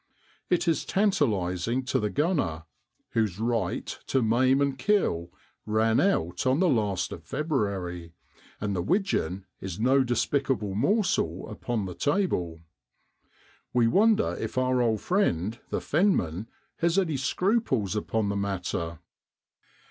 It is tantalising to the gunner, whose right to maim and kill ran out on the last of February; and the widgeon is no despicable morsel upon the table. We wonder if our old friend, the fenman, has any scruples upon the matter